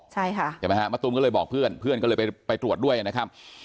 ใช่ค่ะใช่ไหมฮะมะตูมก็เลยบอกเพื่อนเพื่อนก็เลยไปตรวจด้วยนะครับ